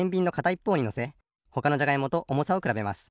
いっぽうにのせほかのじゃがいもとおもさをくらべます。